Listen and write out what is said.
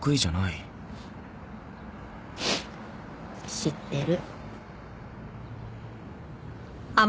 知ってる。